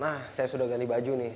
nah saya sudah ganti baju nih